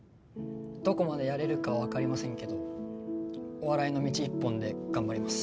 どこまでやれるかわかりませんけどお笑いの道一本で頑張ります。